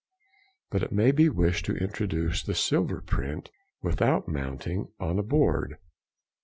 But it may be wished to introduce the silver print without mounting on a board.